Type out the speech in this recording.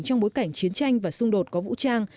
trong bối cảnh chiến tranh và xung đột có vũ trang